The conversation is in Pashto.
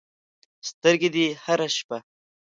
سترګې دې هره شپه